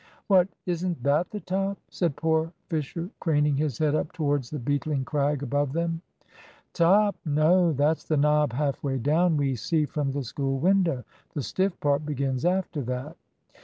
"What, isn't that the top?" said poor Fisher, craning his head up towards the beetling crag above them. "Top? No, that's the knob half way down we see from the school window. The stiff part begins after that."